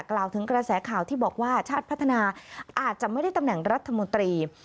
กล่าวถึงกระแสข่าวที่บอกว่าชาติพัฒนาอาจจะไม่ได้ตำแหน่งรัฐมนตรี